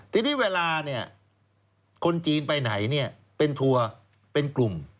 ทีนี้เวลาเนี่ยคนจีนไปไหนเป็นทัวร์เป็นกลุ่ม